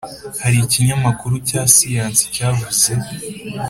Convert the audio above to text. Hari ikinyamakuru cya siyansi cyavuze